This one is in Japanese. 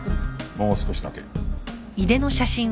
もう少しだけ。